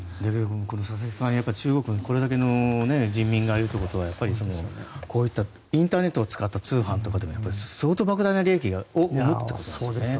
佐々木さん、中国にこれだけの人民がいるということはやはりこういったインターネットを使った通販でも相当ばく大な利益を生むということですよね。